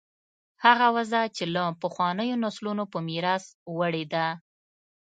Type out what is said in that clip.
هغه وضع چې له پخوانیو نسلونو په میراث وړې ده.